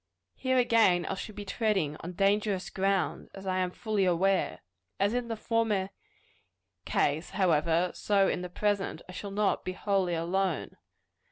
_ Here again I shall be treading on dangerous ground, as I am fully aware. As in the former ease, however, so in the present, I shall not be wholly alone.